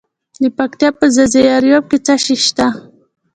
د پکتیا په ځاځي اریوب کې څه شی شته؟